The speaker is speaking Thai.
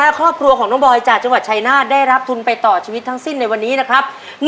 และครอบครัวของน้องบอยจากจังหวัดชายนาฏได้รับทุนไปต่อชีวิตทั้งสิ้นในวันนี้นะครับ